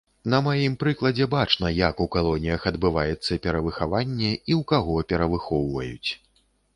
На маім прыкладзе бачна, як у калоніях адбываецца перавыхаванне і ў каго перавыхоўваюць.